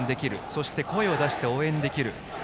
そして声を出して応援できる。